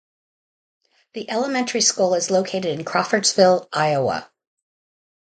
The elementary school is located in Crawfordsville, Iowa.